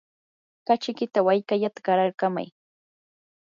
kachikita walkalata qaraykamay.